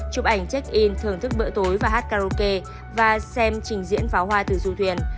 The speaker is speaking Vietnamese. chụp ảnh check in thưởng thức bữa tối và hát karaoke và xem trình diễn pháo hoa từ du thuyền